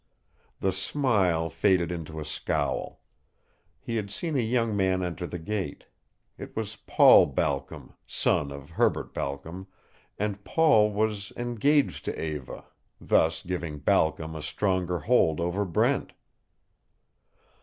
The smile faded into a scowl. He had seen a young man enter the gate. It was Paul Balcom, son of Herbert Balcom, and Paul was engaged to Eva thus giving Balcom a stronger hold over Brent.